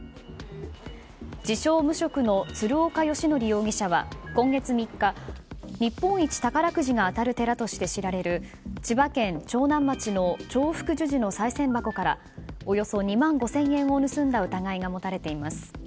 自称無職の鶴岡義則容疑者は今月３日、日本一宝くじが当たる寺として知られる千葉県長南町の長福寿寺のさい銭箱からおよそ２万５０００円を盗んだ疑いが持たれています。